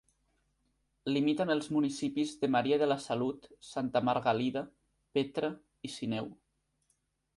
Limita amb els municipis de Maria de la Salut, Santa Margalida, Petra i Sineu.